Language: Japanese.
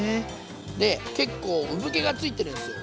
で結構産毛がついてるんすよ